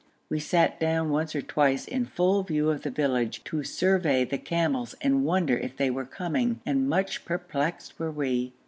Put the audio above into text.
We sat down once or twice in full view of the village, to survey the camels and wonder if they were coming, and much perplexed were we.